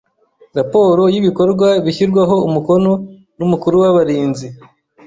raporo y’ibikorwa bishyirwaho umukono n’umukuru w’abarinzi